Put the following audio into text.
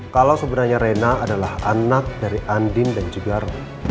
kalau sebenarnya rena adalah anak dari andin dan jogar